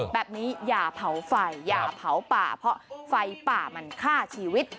อย่าเผาไฟอย่าเผาป่าเพราะไฟป่ามันฆ่าชีวิต